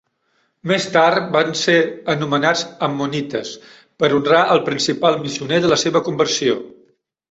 Més tard, van ser anomenats ammonites per honrar el principal missioner de la seva conversió.